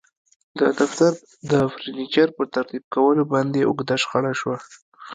د دفتر د فرنیچر په ترتیب کولو باندې اوږده شخړه شوه